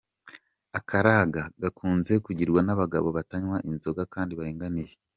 Akaraga gakunze kugirwa n’abagabo batanywa inzoga kandi baringaniye .